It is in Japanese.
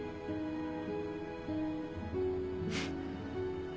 フッ。